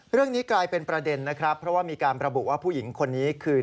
เรื่องนี้กลายเป็นประเด็นนะครับเพราะว่ามีการระบุว่าผู้หญิงคนนี้คือ